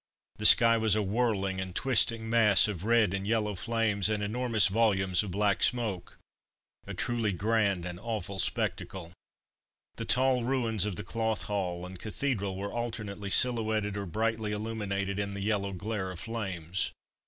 The sky was a whirling and twisting mass of red and yellow flames, and enormous volumes of black smoke. A truly grand and awful spectacle. The tall ruins of the Cloth Hall and Cathedral were alternately silhouetted or brightly illuminated in the yellow glare of flames.